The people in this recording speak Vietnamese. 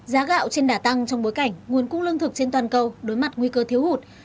giá gạo trên đả tăng trong bối cảnh nguồn cung lương thực trên toàn cầu đối mặt nguy cơ thiếu hụt